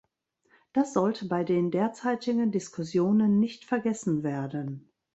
Das sollte bei den derzeitigen Diskussionen nicht vergessen werden.